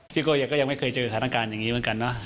โก้ก็ยังไม่เคยเจอสถานการณ์อย่างนี้เหมือนกันเนอะ